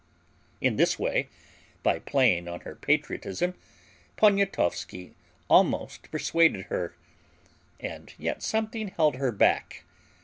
In this way, by playing on her patriotism, Poniatowski almost persuaded her, and yet something held her back.